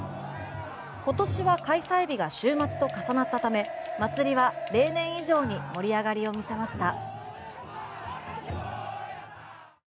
今年は開催日が週末と重なったため祭りは例年以上に盛り上がりを見せました。